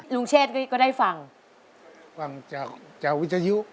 ลุงเชษก็ได้ฟังฟังจากวิทยุ